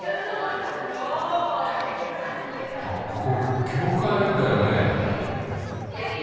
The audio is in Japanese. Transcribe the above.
あここ教会だよね。